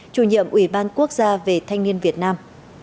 chủ nhiệm ủy ban quốc gia về thanh niên việt nam